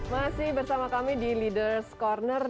masih bersama kami di leaders' corner